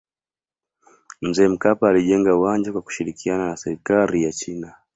mzee mkapa alijenga uwanja kwa kushirikiana na serikali ya china